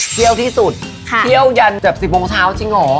เที่ยวที่สุดเที่ยวยันแบบ๑๐โมงเช้าจริงเหรอ